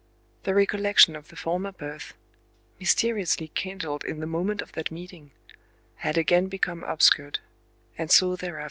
The recollection of the former birth,—mysteriously kindled in the moment of that meeting,—had again become obscured, and so thereafter remained.